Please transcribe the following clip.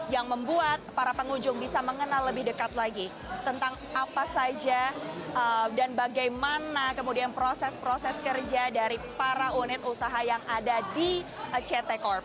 yang membuat para pengunjung bisa mengenal lebih dekat lagi tentang apa saja dan bagaimana kemudian proses proses kerja dari para unit usaha yang ada di ct corp